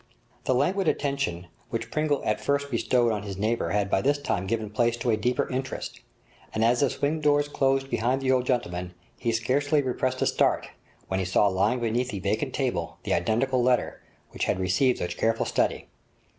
The languid attention which Pringle at first bestowed on his neighbour had by this time given place to a deeper interest, and as the swing doors closed behind the old gentleman, he scarcely repressed a start, when he saw lying beneath the vacant table the identical letter which had received such careful study.